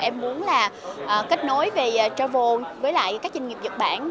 em muốn là kết nối về travel với lại các doanh nghiệp nhật bản